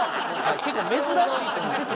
結構珍しいと思うんですけど。